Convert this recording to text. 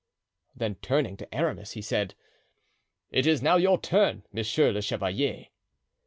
Then turning to Aramis, he said: "It is now your turn, monsieur le chevalier."